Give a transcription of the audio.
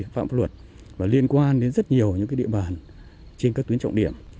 phạm luật liên quan đến rất nhiều những địa bàn trên các tuyến trọng điểm